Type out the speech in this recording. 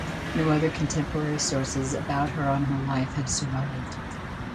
No other contemporary sources about her or her life have survived.